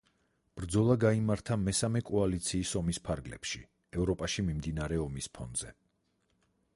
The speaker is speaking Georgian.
ბრძოლა გაიმართა მესამე კოალიციის ომის ფარგლებში, ევროპაში მიმდინარე ომის ფონზე.